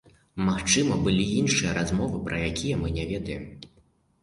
Магчыма, былі іншыя размовы, пра якія мы не ведаем.